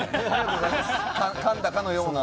かんだかのような。